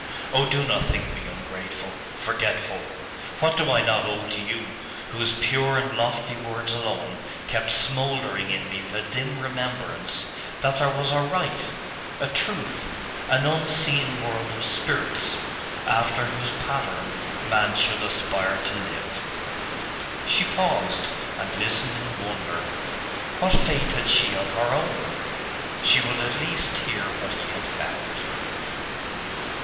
Oh, do not think me ungrateful, forgetful! What do I not owe to you, whose pure and lofty words alone kept smouldering in me the dim remembrance that there was a Right, a Truth, an unseen world of spirits, after whose pattern man should aspire to live?' She paused, and listened in wonder. What faith had she of her own? She would at least hear what he had found....